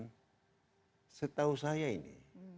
dan setahu saya ini